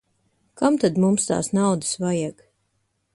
Kam tad mums tās naudas vajag.